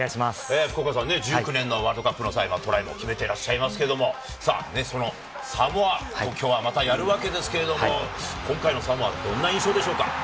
１９年のワールドカップの際はトライも決めていらっしゃいますけれども、そのサモア、きょうはやるわけですけれども、今回のサモア、どんな印象でしょうか？